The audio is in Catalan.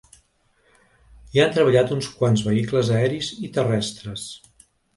Hi han treballat uns quants vehicles aeris i terrestres.